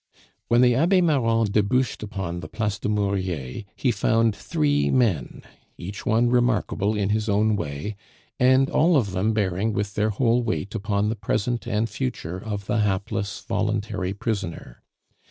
When the Abbe Marron debouched upon the Place du Murier he found three men, each one remarkable in his own way, and all of them bearing with their whole weight upon the present and future of the hapless voluntary prisoner.